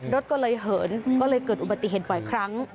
รถก็เลยเหินก็เลยเกิดอุบัติเหตุบ่อยครั้ง